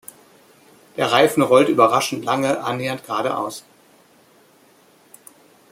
Der Reifen rollt überraschend lange annähernd geradeaus.